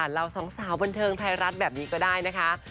จะบอกเล่า๙๐พันเล่าสองสาวบนเทิงไทยรัฐแบบนี้ก็ได้นะคะ